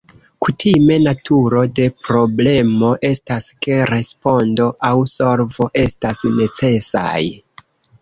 Kutime, naturo de problemo estas ke respondo aŭ solvo estas necesaj.